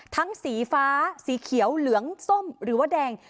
สีฟ้าสีเขียวเหลืองส้มหรือว่าแดง